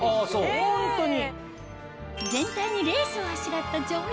ホントに。